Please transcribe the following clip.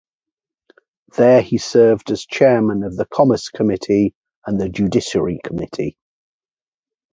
There he served as chairman of the Commerce Committee and the Judiciary Committee.